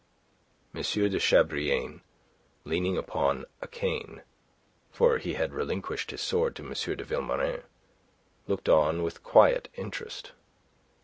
M. de Chabrillane, leaning upon a cane for he had relinquished his sword to M. de Vilmorin looked on with quiet interest.